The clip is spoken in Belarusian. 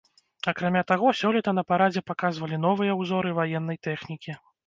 Акрамя таго, сёлета на парадзе паказвалі новыя ўзоры ваеннай тэхнікі.